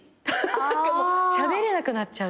何かもうしゃべれなくなっちゃうタイプ。